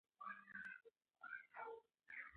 انسان او طبیعت یو له بل سره نه شلېدونکی تړاو لري.